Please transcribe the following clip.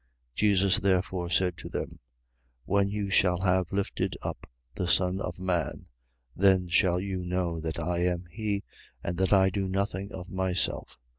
8:28. Jesus therefore said to them: When you shall have lifted up, the Son of man, then shall you know that I am he and that I do nothing of myself.